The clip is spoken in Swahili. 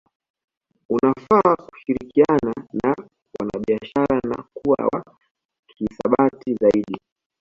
Unafaa kushirikiana na wanahisabati na kuwa wa kihisabati zaidi